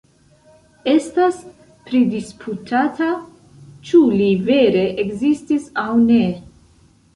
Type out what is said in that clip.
Estas pridisputata, ĉu li vere ekzistis aŭ ne.